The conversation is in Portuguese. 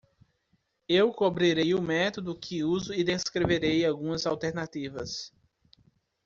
Eu cobrirei o método que uso e descreverei algumas alternativas.